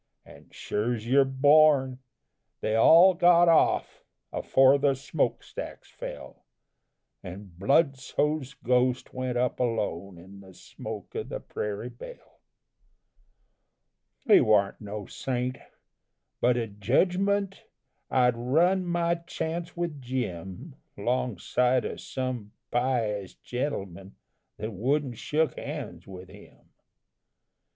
And sure's you're born, they all got off Afore the smoke stacks fell, And Bludso's ghost went up alone In the smoke of the Prairie Belle. He warn't no saint but at judgment I'd run my chance with Jim 'Longside of some pious gentlemen That wouldn't shook hands with him.